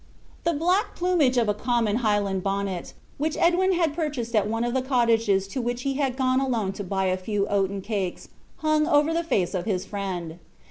The black plumage of a common Highland bonnet, which Edwin had purchased at one of the cottages to which he had gone alone to buy a few oaten cakes, hung over the face of his friend.